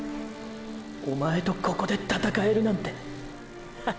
おまえとここで闘えるなんてハ！！